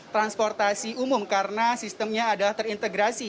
transportasi umum karena sistemnya adalah terintegrasi